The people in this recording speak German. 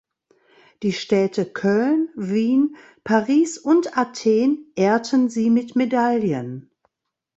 Die Städte Köln, Wien, Paris und Athen ehrten sie mit Medaillen.